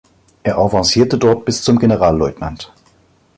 Er avancierte dort bis zum Generalleutnant.